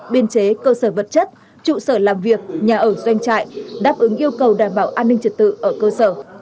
biên chế cơ sở vật chất trụ sở làm việc nhà ở doanh trại đáp ứng yêu cầu đảm bảo an ninh trật tự ở cơ sở